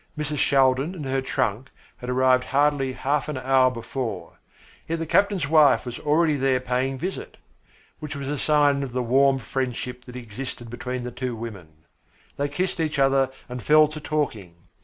Mrs. Shaldin and her trunk had arrived hardly half an hour before, yet the captain's wife was already there paying visit; which was a sign of the warm friendship that existed between the two women. They kissed each other and fell to talking.